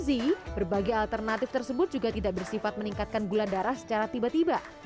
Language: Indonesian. gizi berbagai alternatif tersebut juga tidak bersifat meningkatkan gula darah secara tiba tiba